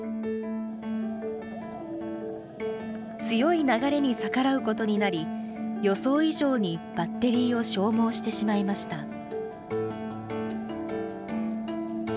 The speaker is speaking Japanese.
強い流れに逆らうことになり、予想以上にバッテリーを消耗してしまいました。